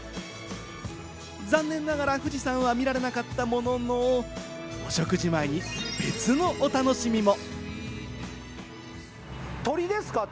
残念ながら富士山は見られなかったものの、お食事前に別のお楽しみも。